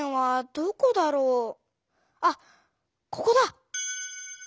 あここだ！